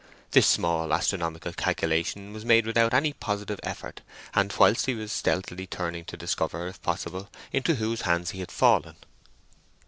This small astronomical calculation was made without any positive effort, and whilst he was stealthily turning to discover, if possible, into whose hands he had fallen.